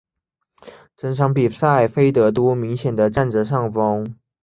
整场比赛菲德都明显的占着上风。